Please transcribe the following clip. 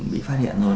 bị phát hiện rồi